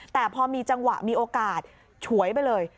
แต่พอมีจังหวะมีโอกาสฉวยไปเลย